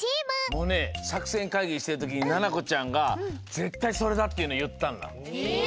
もうねさくせんかいぎしてるときにななこちゃんがぜったいそれだっていうのいったんだ。え！？